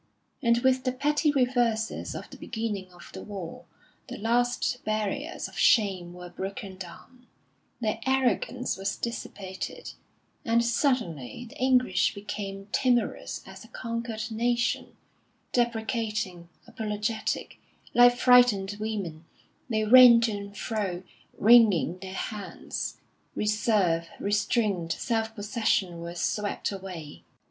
And with the petty reverses of the beginning of the war, the last barriers of shame were broken down; their arrogance was dissipated, and suddenly the English became timorous as a conquered nation, deprecating, apologetic; like frightened women, they ran to and fro, wringing their hands. Reserve, restraint, self possession, were swept away